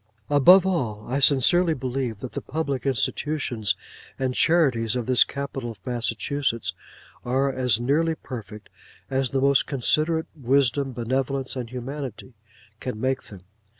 Above all, I sincerely believe that the public institutions and charities of this capital of Massachusetts are as nearly perfect, as the most considerate wisdom, benevolence, and humanity, can make them.